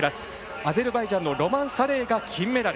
アゼルバイジャンのロマン・サレイが金メダル。